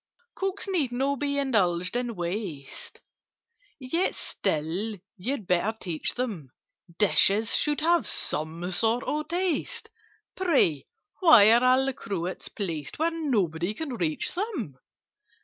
"Cooks need not be indulged in waste; Yet still you'd better teach them Dishes should have some sort of taste. Pray, why are all the cruets placed Where nobody can reach them?